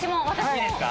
いいですか？